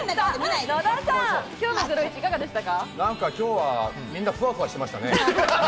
なんか今日は皆、ふわふわしてましたね。